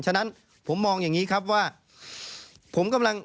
ฉะนั้นผมมองอย่างนี้ครับว่า